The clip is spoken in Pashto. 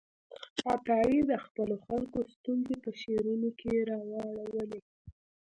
عطايي د خپلو خلکو ستونزې په شعرونو کې راواړولې.